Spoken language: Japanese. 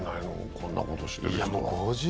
こんなことしてる人は。